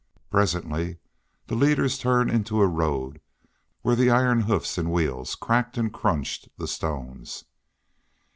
Presently the leaders turned into a road where the iron hoofs and wheels cracked and crunched the stones.